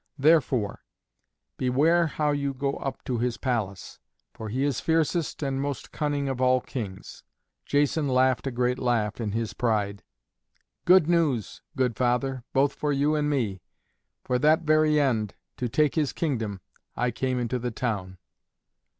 Therefore beware how you go up to his palace, for he is fiercest and most cunning of all kings." Jason laughed a great laugh in his pride. "Good news, good father, both for you and me. For that very end, to take his kingdom, I came into the town."